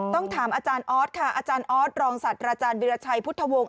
ถามอาจารย์ออสค่ะอาจารย์ออสรองสัตว์อาจารย์วิราชัยพุทธวงศ์